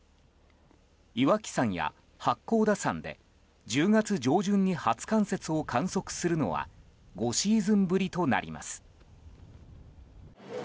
岩木山や八甲田山で１０月上旬に初冠雪を観測するのは５シーズンぶりとなります。